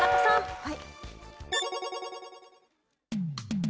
はい。